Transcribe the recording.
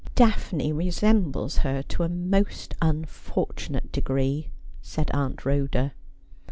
' Daphne resembles her to a most unfortunate degree,' said Aunt Rhoda.